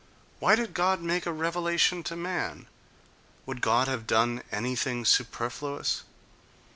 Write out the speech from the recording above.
Why did God make a revelation to man? Would God have done anything superfluous?